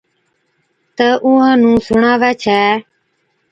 تہ اُونھان نُون سُڻاوي ڇَي